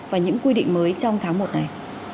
và những quy định mới trong tháng một này